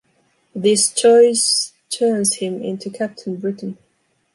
This choice turns him into Captain Britain.